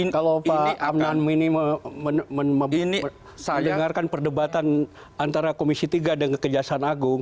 kalau ini amnan mini mendengarkan perdebatan antara komisi tiga dengan kejaksaan agung